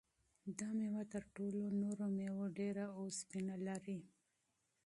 دا مېوه تر ټولو نورو مېوو ډېر اوسپنه لري.